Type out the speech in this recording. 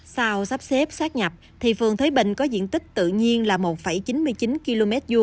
sau sắp xếp sắp nhập thì phường thới bình có diện tích tự nhiên là một chín mươi chín km hai